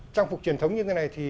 trang phục truyền thống như thế này thì